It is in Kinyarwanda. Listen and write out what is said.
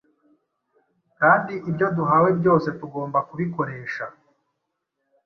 kandi ibyo duhawe byose tugomba kubikoresha